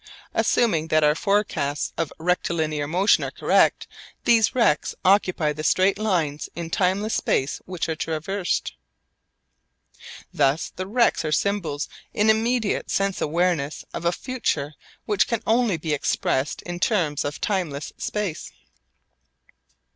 Assuming that our forecasts of rectilinear motion are correct, these rects occupy the straight lines in timeless space which are traversed. Thus the rects are symbols in immediate sense awareness of a future which can only be expressed in terms of timeless space.